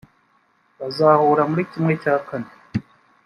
bazahura muri ¼